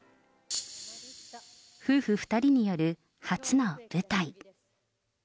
夫婦２人による初の舞台。